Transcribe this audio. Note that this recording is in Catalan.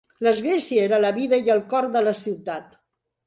L'esglèsia era la vida i el cor de la ciutat.